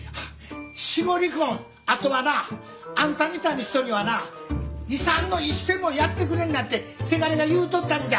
死後離婚後はな。あんたみたいな人にはな遺産の一銭もやってくれんなってせがれが言うとったんじゃ！